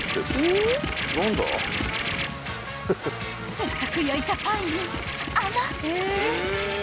［せっかく焼いたパイに穴］